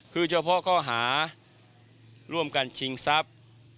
คือเฉพาะข้อหาร่วมกันชิงทรัพย์